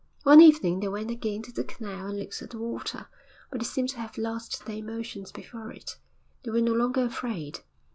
One evening they went again to the canal and looked at the water, but they seemed to have lost their emotions before it. They were no longer afraid.